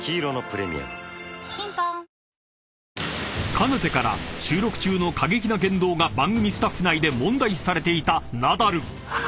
［かねてから収録中の過激な言動が番組スタッフ内で問題視されていたナダル］